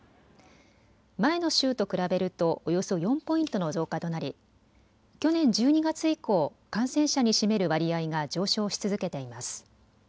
前の週と比べるとおよそ４ポイントの増加となり去年１２月以降、感染者に占める割合が上昇し続けています。